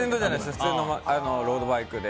普通のロードバイクで。